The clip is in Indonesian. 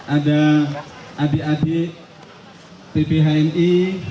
ada adik adik tphmi